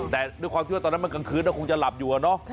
แต่ด้วยความที่ว่าตอนนั้นมันกลางคืนก็คงจะหลับอยู่อะเนาะ